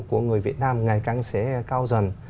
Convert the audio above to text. của người việt nam ngày càng sẽ cao dần